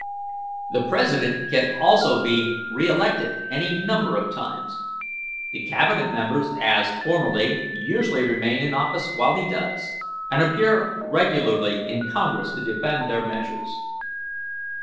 The President can also be re elected any number of times. The Cabinet members, as formerly, usually remain in office while he does, and appear regularly in Congress to defend their measures.